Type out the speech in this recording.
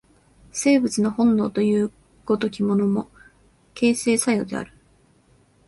生物の本能という如きものも、形成作用である。